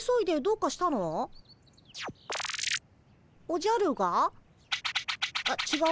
おじゃるが？